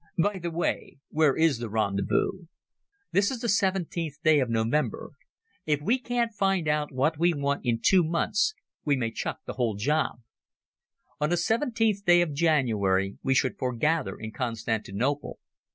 By the way, where is the rendezvous?" "This is the 17th day of November. If we can't find out what we want in two months we may chuck the job. On the 17th of January we should forgather in Constantinople.